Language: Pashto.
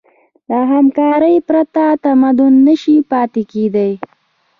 له همکارۍ پرته تمدن نهشي پاتې کېدی.